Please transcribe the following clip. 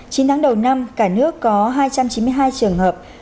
chín tháng đầu năm cả nước có hai trăm chín mươi hai trường hợp